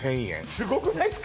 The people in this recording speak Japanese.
すごくないっすか？